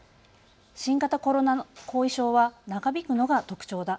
新型コロナ後遺症は長引くのが特徴だ。